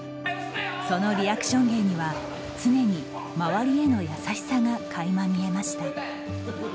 そのリアクション芸には、常に周りへの優しさが垣間見えました。